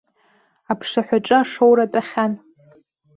Аԥшаҳәаҿы ашоура тәахьан.